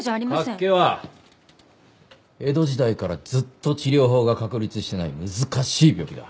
脚気は江戸時代からずっと治療法が確立していない難しい病気だ。